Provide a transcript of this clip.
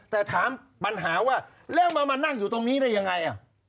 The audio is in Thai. แต่ถามปัญหาว่าแล้วมานั่งอยู่ตรงนี้ได้ยังไง